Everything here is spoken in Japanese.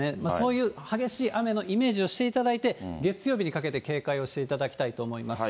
そういう激しい雨のイメージをしていただいて、月曜日にかけて警戒をしていただきたいと思います。